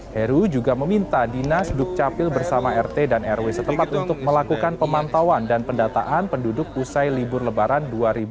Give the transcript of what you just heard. heru juga meminta dinas dukcapil bersama rt dan rw setempat untuk melakukan pemantauan dan pendataan penduduk usai libur lebaran dua ribu dua puluh